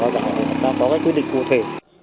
đã có cái quyết định cụ thể